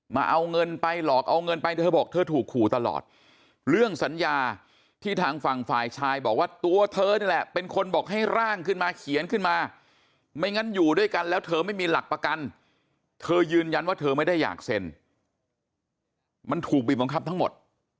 มาเอาเงินไปหลอกเอาเงินไปเธอบอกเธอถูกขู่ตลอดเรื่องสัญญาที่ทางฝั่งฝ่ายชายบอกว่าตัวเธอนี่แหละเป็นคนบอกให้ร่างขึ้นมาเขียนขึ้นมาไม่งั้นอยู่ด้วยกันแล้วเธอไม่มีหลักประกันเธอยืนยันว่าเธอไม่ได้อยากเซ็นมันถูกบีบบังคับทั้งหมด